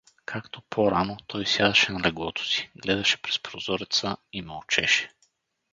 Както по-рано, той сядаше на леглото си, гледаше през прозореца и мълчеше.